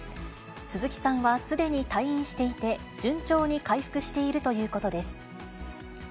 鈴木さんはすでに退院していて、順調に回復しているということです。